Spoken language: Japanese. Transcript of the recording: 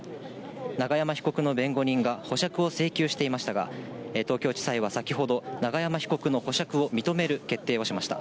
永山被告の弁護人が保釈を請求していましたが、東京地裁は先ほど、永山被告の保釈を認める決定をしました。